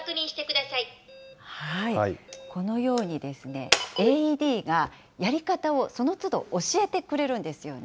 このようにですね、ＡＥＤがやり方をその都度教えてくれるんですよね。